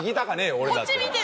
俺だって。